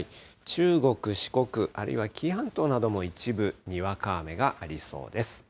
中国、四国、あるいは紀伊半島なども一部にわか雨がありそうです。